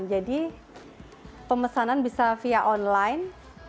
jadi pemesanan bisa via online